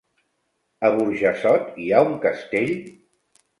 A Burjassot hi ha un castell?